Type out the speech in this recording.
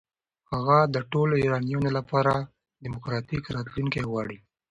هغه د ټولو ایرانیانو لپاره دموکراتیک راتلونکی غواړي.